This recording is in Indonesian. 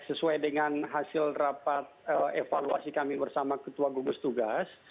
sesuai dengan hasil rapat evaluasi kami bersama ketua gugus tugas